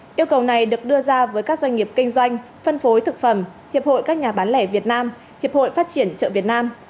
yêu cầu này được đưa ra với các doanh nghiệp kinh doanh phân phối thực phẩm hiệp hội các nhà bán lẻ việt nam hiệp hội phát triển chợ việt nam